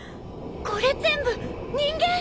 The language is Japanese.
これ全部人間！？